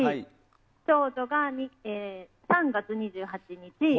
長女が３月２８日。